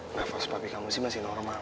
ref suap papi kamu sih masih normal